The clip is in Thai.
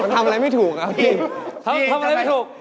ทำอะไรไม่ถูกครับ